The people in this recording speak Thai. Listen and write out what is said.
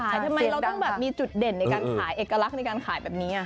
ทำไมเราต้องแบบมีจุดเด่นในการขายเอกลักษณ์ในการขายแบบนี้